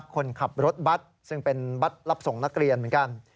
คนขับรถบัตรซึ่งเป็นบัตรรับส่งนักเรียนเหมือนกัน